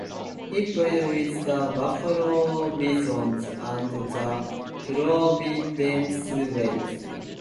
He played with the Buffalo Bisons and the Providence Reds.